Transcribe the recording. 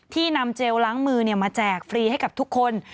นำเจลล้างมือมาแจกฟรีให้กับทุกคน